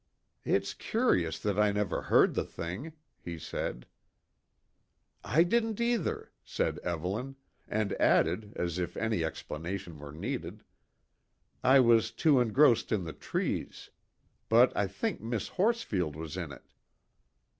"It's curious that I never heard the thing," he said. "I didn't either," said Evelyn, and added, as if any explanation were needed: "I was too engrossed in the trees. But I think Miss Horsfield was in it."